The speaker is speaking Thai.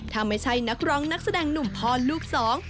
ถ้าไม่ใช่นักร้องนักแสดงหนุ่มพ่อลูกสอง